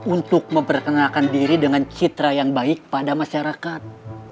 untuk memperkenalkan diri dengan citra yang baik pada masyarakat